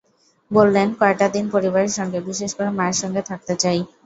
বললেন, কয়টা দিন পরিবারের সঙ্গে, বিশেষ করে মায়ের সঙ্গে থাকতে চাই।